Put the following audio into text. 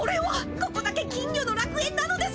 ここだけ金魚の楽園なのですね！